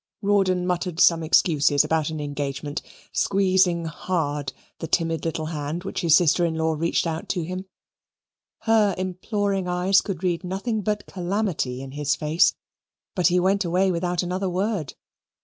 Rawdon muttered some excuses about an engagement, squeezing hard the timid little hand which his sister in law reached out to him. Her imploring eyes could read nothing but calamity in his face, but he went away without another word.